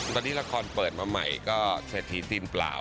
ตอนนี้ละครเปิดมาใหม่ก็เศรษฐีทีมเปล่า